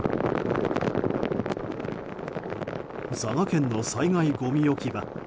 佐賀県の災害ごみ置き場。